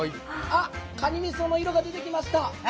かにみその色が出てきました。